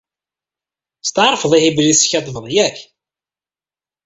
Tsetεerfeḍ ihi belli teskaddbeḍ, yak?